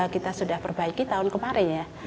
kita sudah perbaiki tahun kemarin ya